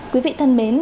quý vị thân mến